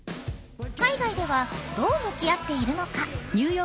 海外ではどう向き合っているのか。